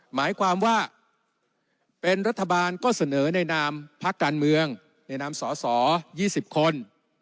หมายความว่าเป็นรัฐบาลก็เสนอในนามพักการเมืองในนามสส๒๐คน